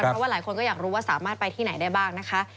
เพราะว่าหลายคนก็อยากรู้ว่าสามารถไปที่ไหนได้บ้างนะคะ